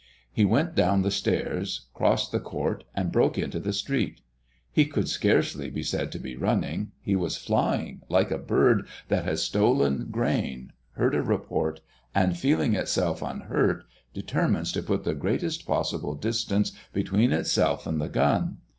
He went down the stairs, crossed the court, and broke into the street. He could scarcely be said to be running; he was flying, like a bird that has stolen grain, heard a report, and feeling itself unhurt, determines to put the greatest possible distance between itself and the gun.